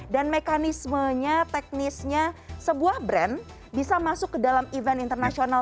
dan mekanismenya teknisnya sebuah brand bisa masuk ke dalam event internasional